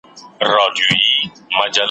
پلار دی راغی لکه پړانګ وو خښمېدلی ,